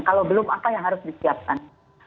kalau belum apa yang harus disiapkan